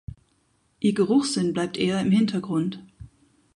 Ihr Geruchssinn bleibt eher im Hintergrund.